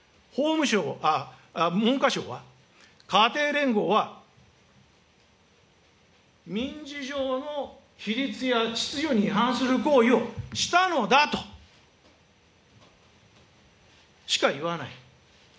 文科省は、家庭連合は、民事上の規律や秩序に違反する行為をしたのだと、しかいわない。